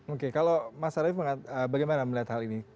oke kalau mas arief bagaimana melihat hal ini